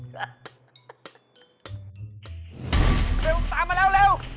ตามมาแล้วเร็ว